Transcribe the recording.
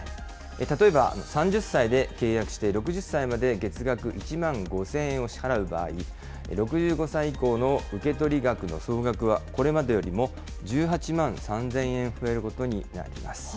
例えば３０歳で契約して６０歳まで月額１万５０００円を支払う場合、６５歳以降の受け取り額の総額は、これまでよりも１８万３０００円増えることになります。